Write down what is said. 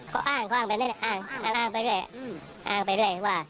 เขาอ้างอ้างไปเรื่อยอ้างไปเรื่อย